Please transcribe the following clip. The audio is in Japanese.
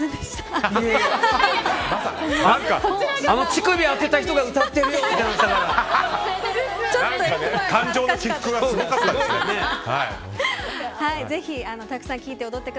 あの乳首当てた人が歌ってるよって。